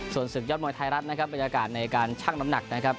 ส่วนศึกยอดมวยไทยรัฐนะครับบรรยากาศในการชั่งน้ำหนักนะครับ